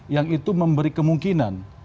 yang itu memberi kemungkinan